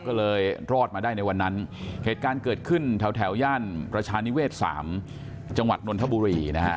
ก็เลยรอดมาได้ในวันนั้นเหตุการณ์เกิดขึ้นแถวย่านประชานิเวศ๓จังหวัดนนทบุรีนะฮะ